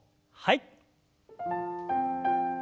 はい。